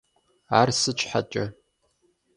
Ар сыт щхьэкӀэ?